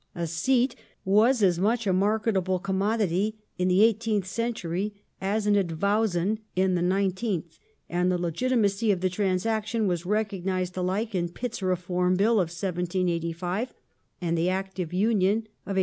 A seat was as much a marketable com modity in the eighteenth century as an advowson in the nineteenth, and the legitimacy of the transaction was recognized alike in Pitt's Reform Bill of 1785 and the Act of Union of 1800.